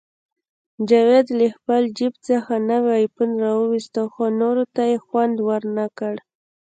جاوید له خپل جیب څخه نوی آیفون راوویست، خو نورو ته یې خوند ورنکړ